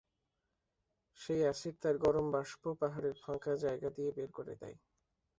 সেই অ্যাসিড তার গরম বাষ্প পাহাড়ের ফাঁকা জায়গা দিয়ে বের করে দেয়।